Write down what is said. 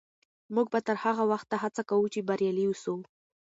موږ به تر هغه وخته هڅه کوو چې بریالي سو.